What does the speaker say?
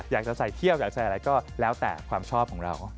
อยากจะใส่เที่ยวอยากใส่อะไรก็แล้วแต่ความชอบของเรา